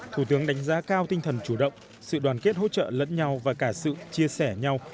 thủ tướng đánh giá cao tinh thần chủ động sự đoàn kết hỗ trợ lẫn nhau và cả sự chia sẻ nhau